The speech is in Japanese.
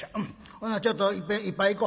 ほなちょっといっぺん一杯いこ。